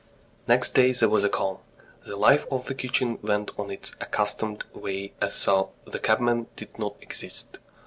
Next day there was a calm. The life of the kitchen went on its accustomed way as though the cabman did not exist.